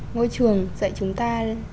ngôi trường dạy chúng ta